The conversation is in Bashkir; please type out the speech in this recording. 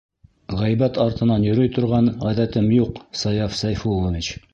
Ғәйбәт артынан йөрөй торған ғәҙәтем юҡ, Саяф Сәйфуллович.